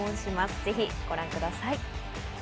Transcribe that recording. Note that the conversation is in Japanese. ぜひご覧ください。